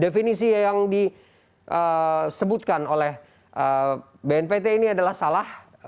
definisi yang disebutkan oleh bnpt ini adalah salah